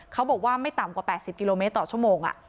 เขาบอกว่าไม่ต่ำกว่า๘๐กิโลเมตรต่อชั่วโมง